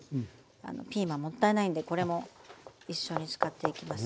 ピーマンもったいないんでこれも一緒に使っていきます。